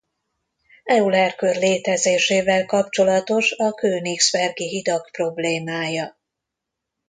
Euler-kör létezésével kapcsolatos a königsbergi hidak problémája.